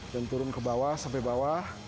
dan turun ke bawah sampai bawah